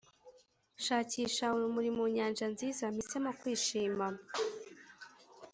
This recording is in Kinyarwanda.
shakisha urumuri mu nyanja nziza, mpisemo kwishima